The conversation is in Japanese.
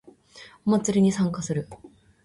お祭りに参加する